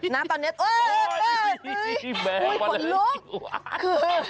น้ำตาเน็ตเอ้ยฝนลุก